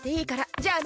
じゃあね！